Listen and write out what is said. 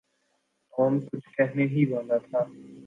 Tom کچھ کہنے ہی والا تھا۔